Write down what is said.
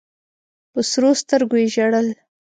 په سرو سترګو یې ژړل.